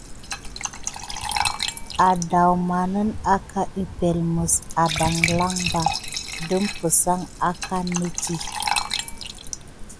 Demedane aka epəŋle mis analan ban depensine akanedi.